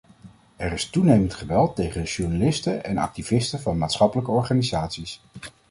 Er is toenemend geweld tegen journalisten en activisten van maatschappelijke organisaties.